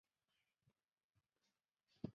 他也因宝华蓝而成名。